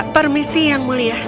permisi yang mulia